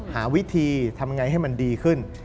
หาวิธีทำยังไงให้มันดีขึ้น